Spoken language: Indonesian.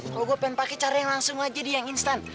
kalau gue pengen pakai cara yang langsung aja dia yang instan